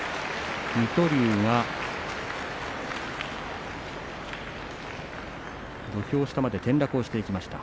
水戸龍、土俵下まで転落していきました。